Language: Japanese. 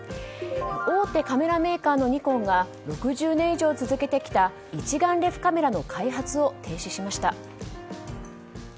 大手カメラメーカーのニコンが６０年以上続けてきた一眼レフカメラの開発を停止しました。